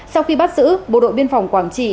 sau khi bắt giữ bộ đội biên phòng quảng trị